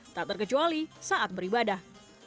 tak terkecuali saat beribadah